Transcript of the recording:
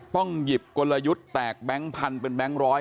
ต้องหยิบกลยุทธ์แตกแบงค์พันเป็นแบงค์ร้อย